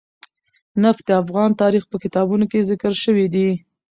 نفت د افغان تاریخ په کتابونو کې ذکر شوی دي.